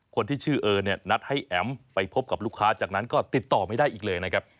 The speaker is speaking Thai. คนที่ชื่อเออเนี่ยนัดให้แอ๋มไปพบกับลูกค้าจากนั้นก็ติดต่อไม่ได้อีกเลยนะครับ